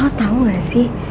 lo tau gak sih